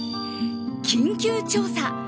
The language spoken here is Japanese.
緊急調査！